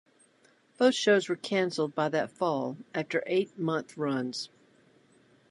Both shows were canceled by that fall after eight-month runs.